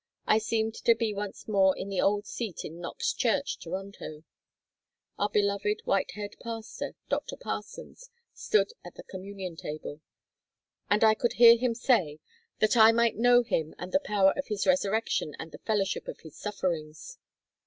I seemed to be once more in the old seat in Knox Church, Toronto. Our beloved, white haired pastor, Dr. Parsons stood at the Communion Table. And I could hear him say, "That I might know Him, and the power of His resurrection, and the fellowship of His sufferings."